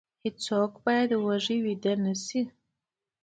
هیڅوک باید وږی ونه ویده شي.